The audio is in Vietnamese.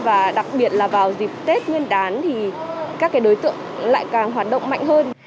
và đặc biệt là vào dịp tết nguyên đán thì các đối tượng lại càng hoạt động mạnh hơn